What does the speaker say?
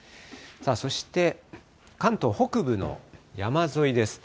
そして、関東北部の山沿いです。